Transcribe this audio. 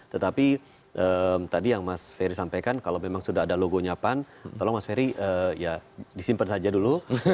tetapi tadi yang mas ferry sampaikan kalau memang sudah ada logonya pan tolong mas ferry ya disimpan saja dulu